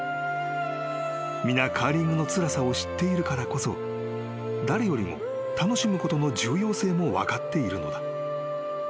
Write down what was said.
［皆カーリングのつらさを知っているからこそ誰よりも楽しむことの重要性も分かっているのだ］